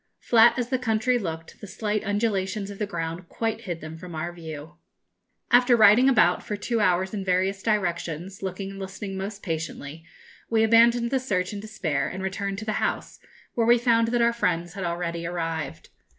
Flat as the country looked, the slight undulations of the ground quite hid them from our view. After riding about for two hours in various directions, looking and listening most patiently, we abandoned the search in despair, and returned to the house, where we found that our friends had already arrived.